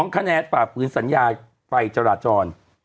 คะแนนฝ่าฝืนสัญญาไฟจราจร